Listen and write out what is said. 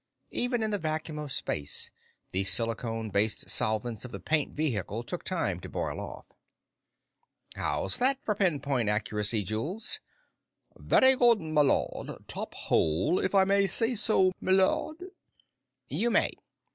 Even in the vacuum of space, the silicone based solvents of the paint vehicle took time to boil off. "How's that for pinpoint accuracy, Jules?" "Veddy good, M'lud. Top hole, if I may say so, m'lud." "You may."